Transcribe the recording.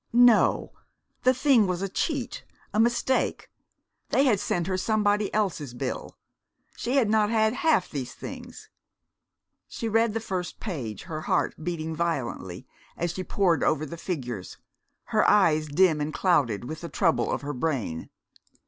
No, the thing was a cheat, a mistake. They had sent her somebody else's bill. She had not had half these things. She read the first page, her heart beating violently as she pored over the figures, her eyes dim and clouded with the trouble of her brain.